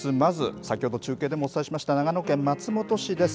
先ほど中継でもお伝えしましたが長野県松本市です。